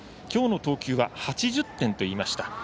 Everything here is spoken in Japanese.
きょうの投球は８０点と言いました。